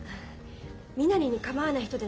身なりに構わない人でね